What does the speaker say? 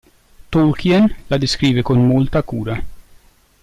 Tolkien la descrive con molta cura.